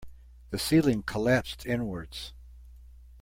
The ceiling collapsed inwards.